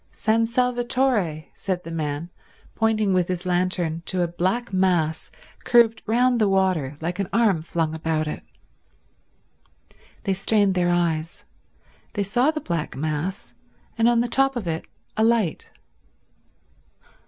"San Salvatore," said the man pointing with his lantern to a black mass curved round the water like an arm flung about it. They strained their eyes. They saw the black mass, and on the top of it a light.